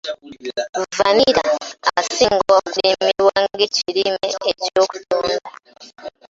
Vvanira asinga kulimibwa ng'ekirime eky'okutunda.